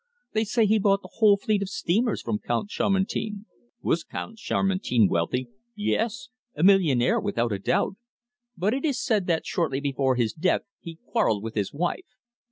They say he bought the whole fleet of steamers from Count Chamartin." "Was Count Chamartin wealthy?" "Yes. A millionaire, without a doubt. But it is said that shortly before his death he quarrelled with his wife.